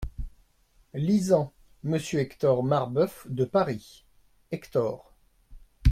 Lisant. "Monsieur Hector Marbeuf… de Paris." Hector.